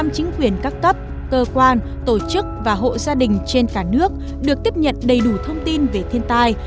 một trăm linh chính quyền các cấp cơ quan tổ chức và hộ gia đình trên cả nước được tiếp nhận đầy đủ thông tin về thiên tai